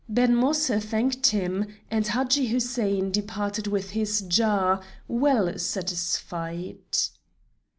Ben Moïse thanked him, and Hadji Hussein departed with his jar, well satisfied.